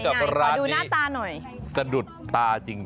คล้องกิน